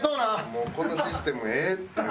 もうこのシステムええって。